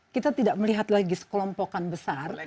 kita tidak melihat lagi sekelompokan besar